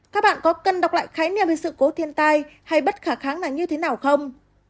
các bạn có cần đọc lại khái niệm về sự cố thiên tai hay bất khả kháng là như thế nào không